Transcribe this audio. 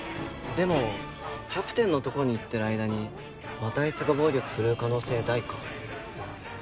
でもキャプテンのところに行ってる間にまたあいつが暴力振るう可能性大か。